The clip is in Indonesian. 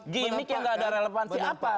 gimik yang tidak ada relevansi apa